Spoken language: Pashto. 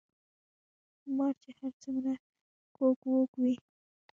ـ مار چې هر څومره کوږ وږ وي